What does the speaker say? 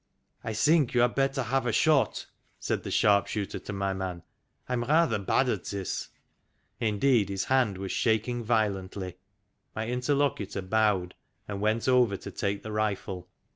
" I think you had better have a shot," said the sharp shooter to my man. " I'm rather bad at this." Indeed his hand was shaking violently. My interlocutor bowed, and went over to take the rifle.